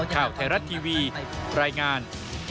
ข่าวไทยรัฐทีวีรายงาน